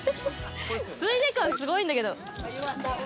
ついで感すごいんだけど。